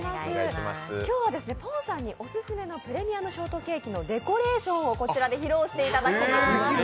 今日はポンさんにオススメのプレミアムショートケーキにデコレーションをこちらで披露していただきます。